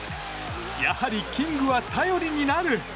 やはり、キングは頼りになる。